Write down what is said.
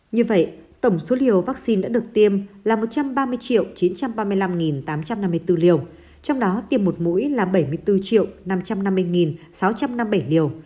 như vậy tổng số liều vaccine đã được tiêm là một trăm ba mươi chín trăm ba mươi năm tám trăm năm mươi bốn liều trong đó tiêm một mũi là bảy mươi bốn năm trăm năm mươi sáu trăm năm mươi bảy liều